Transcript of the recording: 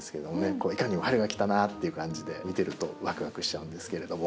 こういかにも春が来たなっていう感じで見てるとわくわくしちゃうんですけれども。